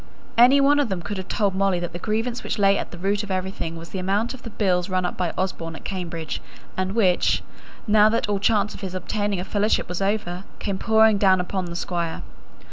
Any one of them could have told Molly that the grievance which lay at the root of everything, was the amount of the bills run up by Osborne at Cambridge, and which, now that all chance of his obtaining a fellowship was over, came pouring down upon the Squire.